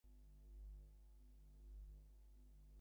বিষয়টা মজাদার, যদি আমরা এখানে আটকে না পড়তাম, তাহলে এটা ঘটতই না।